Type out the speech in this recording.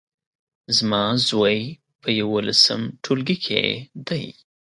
زما زوی په يولسم ټولګي کې دی